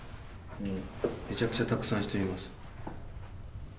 めちゃくちゃたくさん人います。